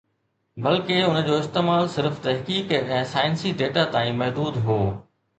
بلڪه، ان جو استعمال صرف تحقيق ۽ سائنسي ڊيٽا تائين محدود هو